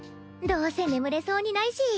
どうせ眠れそうにないし。